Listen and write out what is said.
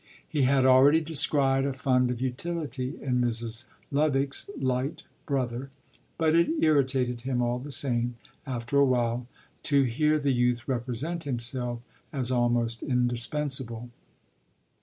He had already descried a fund of utility in Mrs. Lovick's light brother; but it irritated him, all the same, after a while, to hear the youth represent himself as almost indispensable.